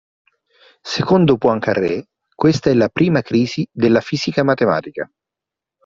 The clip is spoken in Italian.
Secondo Poincaré questa è la prima crisi della fisica matematica.